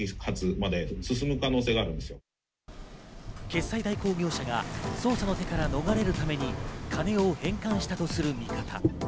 決済代行業者が捜査の手から逃れるために金を返還したとする見方。